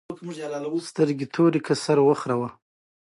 کروندګر د حاصل راټولولو وخت ته اهمیت ورکوي